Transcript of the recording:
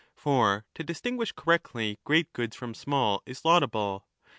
fEor^ to distinguish correctly great goods from small is laudable.